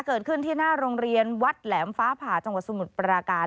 เกิดขึ้นที่หน้าโรงเรียนวัดแหลมฟ้าผ่าจังหวัดสมุทรปราการ